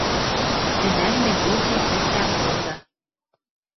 Тӹнӓм мӹнь докем вӹсӓ Муза.